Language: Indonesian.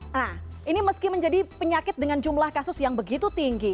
nah ini meski menjadi penyakit dengan jumlah kasus yang begitu tinggi